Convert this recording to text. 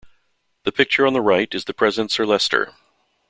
The picture on the right is the present Sir Leicester.